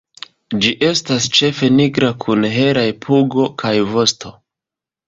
Ĝi estas ĉefe nigra kun helaj pugo kaj vosto.